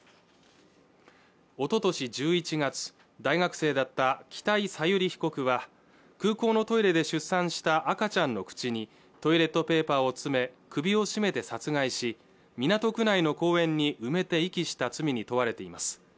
おととし１１月大学生だった北井小由里被告は空港のトイレで出産した赤ちゃんの口にトイレットペーパーを詰め首を絞めて殺害し港区内の公園に埋めて遺棄した罪に問われています